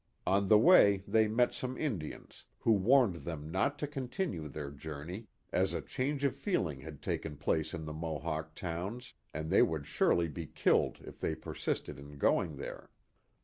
On the way they met some Indians, who warned them not to continue their journey, as a change of feeling had taken place in the Mohawk towns and they would surely be killed if they persisted in going there.